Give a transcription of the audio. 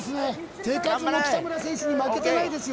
手数も北村選手に負けてないですよ